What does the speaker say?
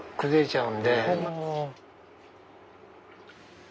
うん！